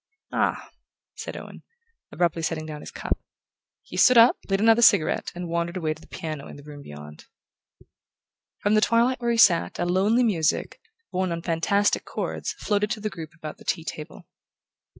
"Ah," said Owen, abruptly setting down his cup. He stood up, lit another cigarette, and wandered away to the piano in the room beyond. From the twilight where he sat a lonely music, borne on fantastic chords, floated to the group about the tea table.